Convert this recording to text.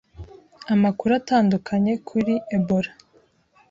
amakuru atandukanye kuri Ebola,